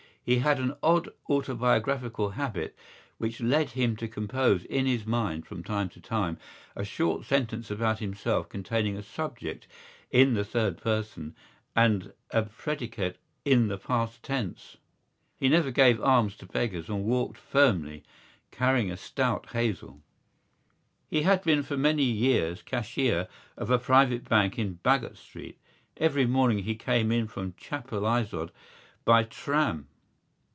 He had an odd autobiographical habit which led him to compose in his mind from time to time a short sentence about himself containing a subject in the third person and a predicate in the past tense. He never gave alms to beggars and walked firmly, carrying a stout hazel. He had been for many years cashier of a private bank in Baggot Street. Every morning he came in from Chapelizod by tram.